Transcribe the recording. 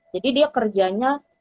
jadi dia kerjanya